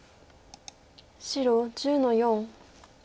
白１０の四。